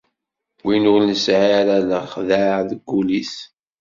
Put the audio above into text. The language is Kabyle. Win ur nesɛi ara lexdeɛ deg wul-is.